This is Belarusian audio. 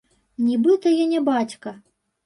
Нібыта я не бацька.